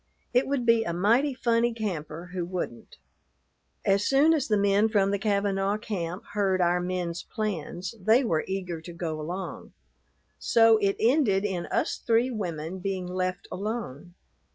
It would be a mighty funny camper who wouldn't. As soon as the men from the Kavanaugh camp heard our men's plans, they were eager to go along. So it ended in us three women being left alone.